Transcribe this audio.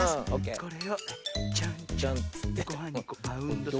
これをチョンチョンっつってごはんにバウンドさせて。